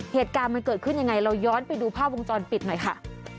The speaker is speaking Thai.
เหตุการณ์มันเกิดขึ้นยังไงเราย้อนไปดูภาพวงจรปิดหน่อยค่ะ